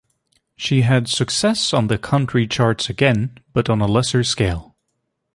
She had success on the country charts again, but on a lesser scale.